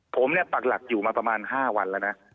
ผมเนี่ยปักหลักอยู่มาประมาณ๕วันแล้วนะ